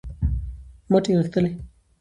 مټې یې غښتلې